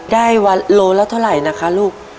ได้วันโลละเท่าไหร่นะคะลูก